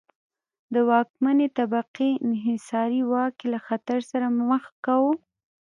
د واکمنې طبقې انحصاري واک یې له خطر سره مخ کاوه.